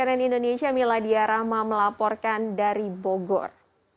cnn indonesia miladia rahma melaporkan dari bogor